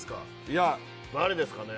いや誰ですかね？